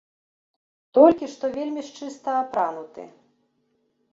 Толькі што вельмі ж чыста апрануты.